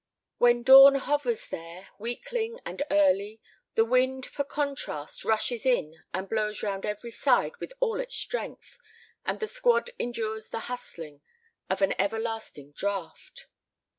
When dawn hovers there, weakling and early, the wind for contrast rushes in and blows round every side with all its strength, and the squad endures the hustling of an everlasting draught.